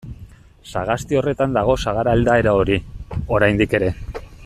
Sagasti horretan dago sagar aldaera hori, oraindik ere.